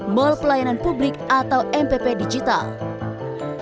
mal pelayanan publik atau mpp digital